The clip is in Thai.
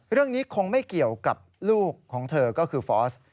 เรื่องนี้คงไม่เกี่ยวกับลูกของเธอก็คือฟอส